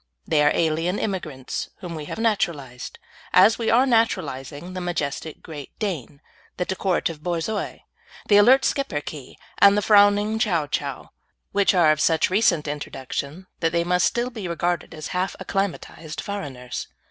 They are alien immigrants whom we have naturalised, as we are naturalising the majestic Great Dane, the decorative Borzoi, the alert Schipperke, and the frowning Chow Chow, which are of such recent introduction that they must still be regarded as half acclimatised foreigners.